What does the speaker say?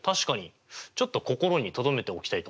ちょっと心にとどめておきたいと思います。